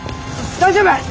大丈夫？